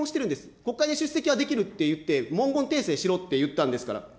国会で出席はできるって言って、文言訂正しろって言ったんですから。